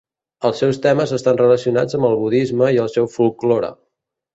Els seus temes estan relacionats amb el budisme i el seu folklore.